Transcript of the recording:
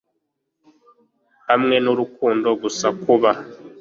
Hamwe nUrukundo gusa kuba